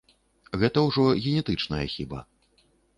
Гэта ўжо генетычная хіба.